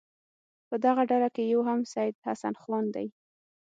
په دغه ډله کې یو هم سید حسن خان دی.